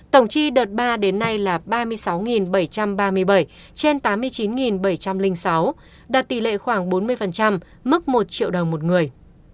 tổng chi đợt ba đến nay là ba mươi sáu bảy trăm ba mươi bảy trên tám mươi chín bảy trăm linh sáu đạt tỷ lệ khoảng bốn mươi mức một triệu đồng một người